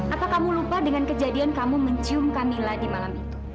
apa kamu lupa dengan kejadian kamu mencium kamila di malam itu